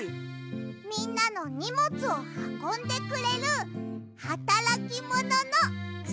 みんなのにもつをはこんでくれるはたらきもののクシャさん！